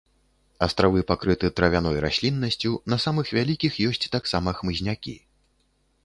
Астравы пакрыты травяной расліннасцю, на самых вялікіх ёсць таксама хмызнякі.